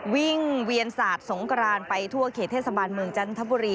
วิ่งเวียนศาสตร์สงกรานไปทั่วเขตเทศบาลเมืองจันทบุรี